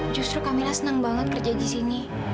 justru kamila senang banget kerja disini